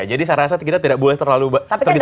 jadi saya rasa kita tidak boleh terlalu terbisa bisa